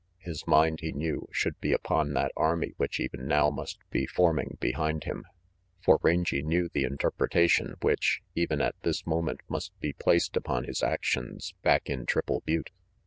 His mind, he knew, should be upon that army which even now must be forming behind him. For Rangy knew the interpretation which, even at this moment, must be placed upon his actions back in Triple Butte.